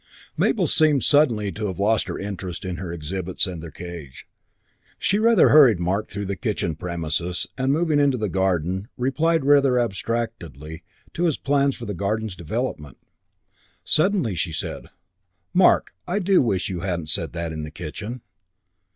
Mabel seemed suddenly to have lost her interest in her exhibits and their cage. She rather hurried Mark through the kitchen premises and, moving into the garden, replied rather abstractedly to his plans for the garden's development. Suddenly she said, "Mark, I do wish you hadn't said that in the kitchen."